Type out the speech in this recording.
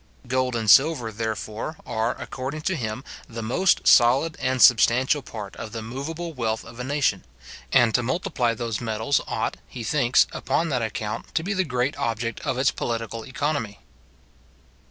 Gold and silver, therefore, are, according to him, the must solid and substantial part of the moveable wealth of a nation; and to multiply those metals ought, he thinks, upon that account, to be the great object of its political economy.